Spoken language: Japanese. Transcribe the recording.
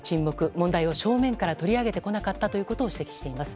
問題を正面から取り上げてこなかったことを指摘しています。